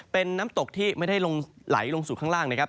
เป็นน้ำตกที่ไม่ได้ลงไหลลงสู่ข้างล่างนะครับ